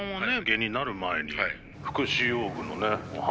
芸人になる前に福祉用具の販売を。